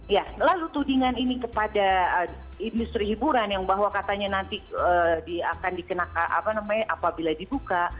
ya lalu tudingan ini kepada industri hiburan yang bahwa katanya nanti akan dikenakan apabila dibuka